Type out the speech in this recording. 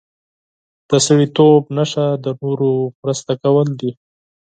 د سړیتوب نښه د نورو مرسته کول دي.